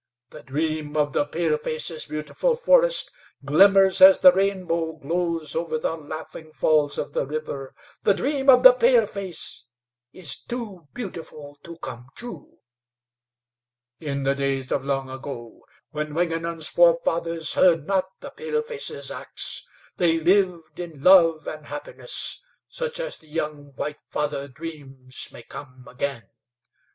The dream of the palefaces' beautiful forest glimmers as the rainbow glows over the laughing falls of the river. The dream of the paleface is too beautiful to come true. In the days of long ago, when Wingenund's forefathers heard not the paleface's ax, they lived in love and happiness such as the young White Father dreams may come again.